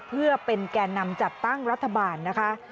เพื่อเป็นแก่นำจัดตั้งรัฐบาลนะคะ